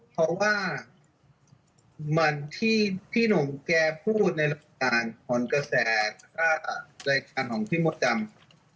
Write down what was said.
เพราะว่ามันที่ที่หนูแกพูดในรัฐการณ์ของกระแสแล้วก็รัฐการณ์ของพี่มดจำ